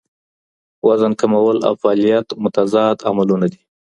وزن کمول او فعالیت متضاد عملونه دي.